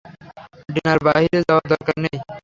ডিনারে বাইরে যাওয়ার দরকার নেই।